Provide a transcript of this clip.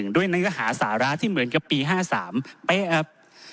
ด้วยนั้นก็หาสาระที่เหมือนกับปี๕๓แป๊บ